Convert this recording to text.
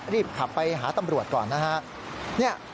รีบขับไปหาตำรวจก่อนนะฮะ